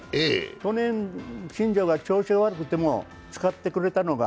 去年、新庄が調子が悪くても使ってくれたのが